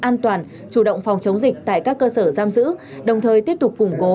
an toàn chủ động phòng chống dịch tại các cơ sở giam giữ đồng thời tiếp tục củng cố